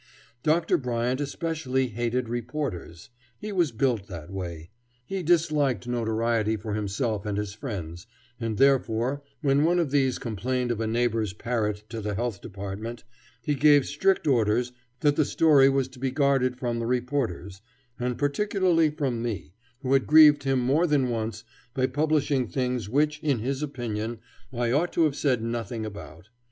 Dr. Bryant especially hated reporters. He wras built that way; he disliked notoriety for himself and his friends, and therefore, when one of these complained of a neighbor's parrot to the Health Department, he gave strict orders that the story was to be guarded from the reporters, and particularly from me, who had grieved him more than once by publishing things which, in his opinion, I ought to have said nothing about.